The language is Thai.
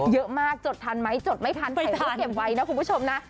เยอะมากจดทันไหมจดไม่ทันถ่ายภาพเก็บไว้นะคุณผู้ชมนะ